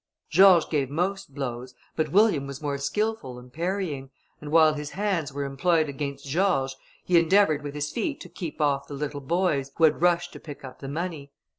George gave most blows, but William was more skilful in parrying, and while his hands were employed against George, he endeavoured with his feet to keep off the little boys, who had rushed to pick up the money.